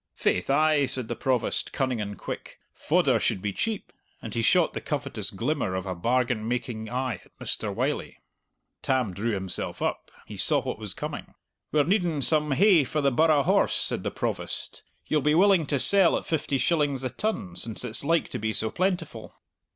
"Faith ay!" said the Provost, cunning and quick; "fodder should be cheap" and he shot the covetous glimmer of a bargain making eye at Mr. Wylie. Tam drew himself up. He saw what was coming. "We're needing some hay for the burgh horse," said the Provost. "Ye'll be willing to sell at fifty shillings the ton, since it's like to be so plentiful."